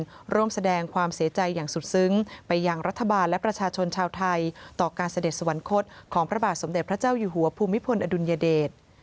ร่วมแสดงความเสียใจอย่างสุดซึ้งไปยังรัฐบาลและประชาชนชาวไทยต่อการเสด็จสวรรคตของพระบาทสมเด็จพระเจ้าอยู่หัวภูมิพลอดุลยเดช